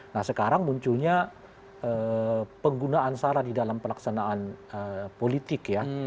nah sekarang munculnya penggunaan sara di dalam pelaksanaan politik ya